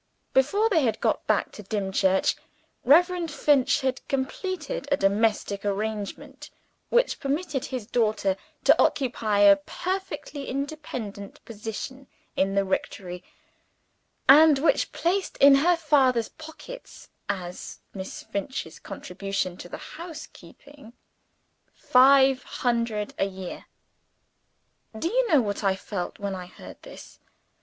Before they had got back to Dimchurch, Reverend Finch had completed a domestic arrangement which permitted his daughter to occupy a perfectly independent position in the rectory, and which placed in her father's pockets as Miss Finch's contribution to the housekeeping five hundred a year. (Do you know what I felt when I heard this?